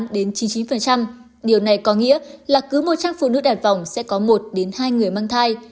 điều này có nghĩa là cứ một trang phụ nữ đạt vòng sẽ có một hai người mang thai